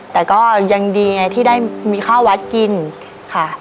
แต่ก็ยังดีไงที่ได้มีข้าววัดกินค่ะ